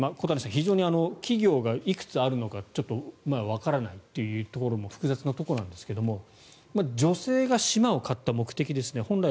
非常に企業がいくつあるのかちょっとわからないというところも複雑なところなんですが女性が島を買った目的ですね。